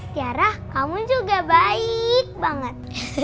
tiara kamu juga baik banget